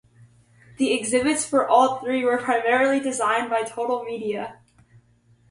The exhibits for all three were primarily designed by Total Media.